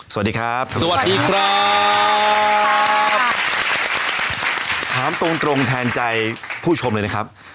สวัสดีครับถามตรงแทนใจผู้ชมเลยนะครับ